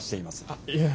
あっいや。